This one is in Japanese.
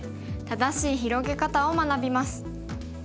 正しい広げ方を学びます。